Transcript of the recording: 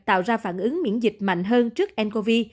tạo ra phản ứng miễn dịch mạnh hơn trước ncov